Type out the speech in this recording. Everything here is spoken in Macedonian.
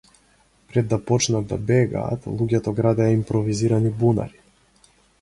Пред да почнат да бегаат, луѓето градеа импровизирани бунари.